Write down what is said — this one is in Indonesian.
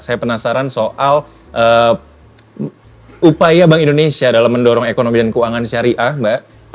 saya penasaran soal upaya bank indonesia dalam mendorong ekonomi dan keuangan syariah mbak